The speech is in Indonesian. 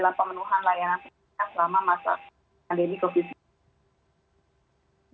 dalam pemenuhan layanan kesehatan selama masa pandemi covid sembilan belas